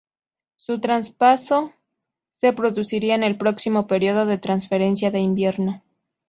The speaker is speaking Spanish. Su traspaso se produciría en el próximo período de transferencia de invierno.